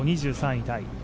２３位タイ。